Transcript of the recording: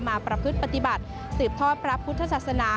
ประพฤติปฏิบัติสืบทอดพระพุทธศาสนา